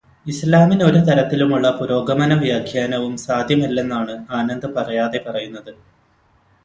ഇസ്ലാമിന് ഒരു തരത്തിലുമുള്ള പുരോഗമനവ്യാഖ്യാനവും സാധ്യമല്ലെന്നാണു ആനന്ദ് പറയാതെ പറയുന്നത്.